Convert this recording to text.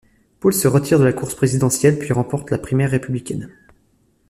Paul se retire de la course présidentielle puis remporte la primaire républicaine.